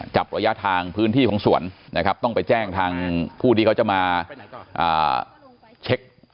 ระยะทางพื้นที่ของสวนนะครับต้องไปแจ้งทางผู้ที่เขาจะมาเช็ค